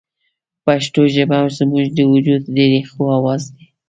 پښتو ژبه زموږ د وجود د ریښو اواز دی